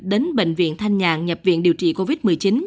đến bệnh viện thanh nhàn nhập viện điều trị covid một mươi chín